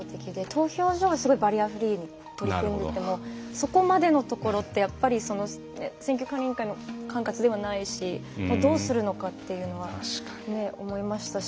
投票所がすごいバリアフリーに取り組んできているけどそこまでのところって、やっぱり選挙管理委員会の管轄ではないしどうするのかっていうのは思いましたし。